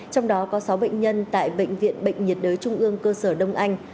trong đó có sáu bệnh nhân tại bệnh viện bệnh nhiệt đới trung ương cơ sở đông anh